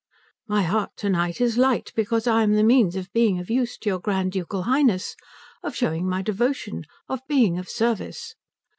"My heart to night is light, because I am the means of being of use to your Grand Ducal Highness, of showing my devotion, of being of service."